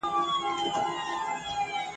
د لېوه یې په نصیب کښلي ښکارونه !.